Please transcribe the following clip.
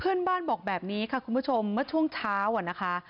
เพื่อนบ้านบอกแบบนี้ค่ะคุณผู้ชมเมื่อช่วงเช้าอ่ะนะคะ